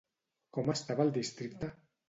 Com estava el districte?